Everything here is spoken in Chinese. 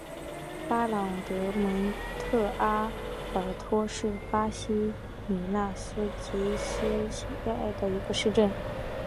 巴朗德蒙特阿尔托是巴西米纳斯吉拉斯州的一个市镇。